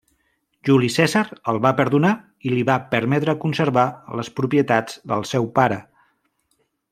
Juli Cèsar el va perdonar i li va permetre conservar les propietats del seu pare.